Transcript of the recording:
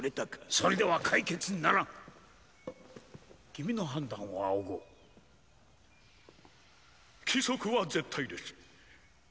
それでは解決にならん君の判断を仰ごう規則は絶対です